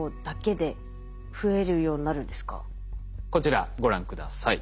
こちらご覧下さい。